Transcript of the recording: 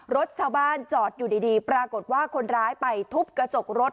รถชาวบ้านจอดอยู่ดีปรากฏว่าคนร้ายไปทุบกระจกรถ